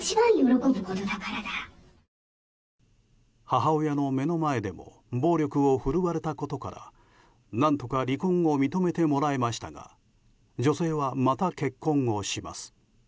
母親の目の前でも暴力を振るわれたことから何とか離婚を認めてもらえましたが女性は、また結婚をします。